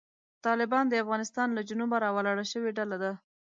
طالبان د افغانستان له جنوبه راولاړه شوې ډله ده.